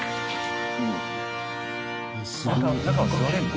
中は座れるの？